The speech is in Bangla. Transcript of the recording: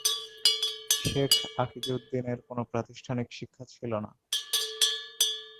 শেখ আকিজউদ্দীনের কোনো প্রাতিষ্ঠানিক শিক্ষা ছিলনা।